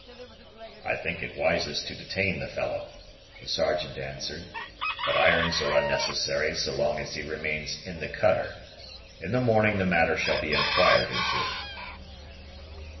"I think it wisest to detain the fellow," the Sergeant answered; "but irons are unnecessary so long as he remains in the cutter. In the morning the matter shall be inquired into."